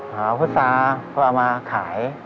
หาพุษาเพื่อเอามาขาย